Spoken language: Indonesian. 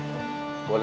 boleh ke sana